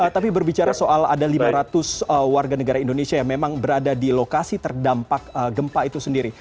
tapi berbicara soal ada lima ratus warga negara indonesia yang memang berada di lokasi terdampak gempa itu sendiri